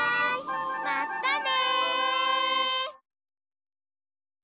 まったね！